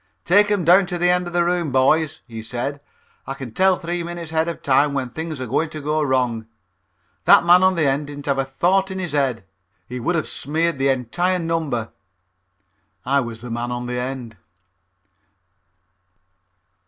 "Take 'em down to the end of the room, boys," he said. "I can tell three minutes ahead of time when things are going to go wrong. That man on the end didn't have a thought in his head. He would have smeared the entire number." I was the man on the end.